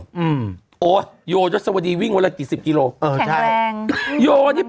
อยู่โยยสาวดีวิ่งวันละกี่สิบกิโลก